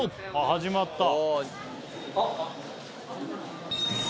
始まった！